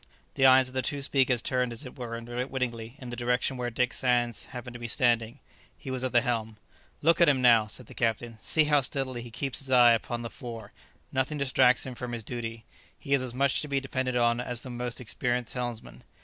The eyes of the two speakers turned as it were unwittingly in the direction where Dick Sands happened to be standing. He was at the helm. "Look at him now!" said the captain; "see how steadily he keeps his eye upon the fore; nothing distracts him from his duty; he is as much to be depended on as the most experienced helmsman.